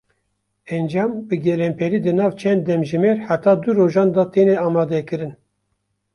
Encam bi gelemperî di nav çend demjimêr heta du rojan de têne amadekirin.